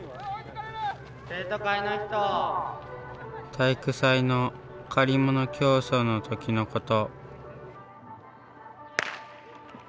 体育祭の借り物競走の時のこと。